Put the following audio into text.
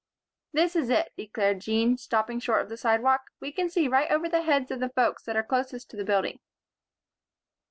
"This is it," declared Jean, stopping short on the sidewalk. "We can see right over the heads of the folks that are close to the building."